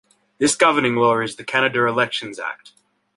This governing law is the Canada Elections Act.